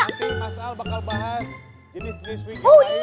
nanti mas a bakal bahas jenis jenis wikileaks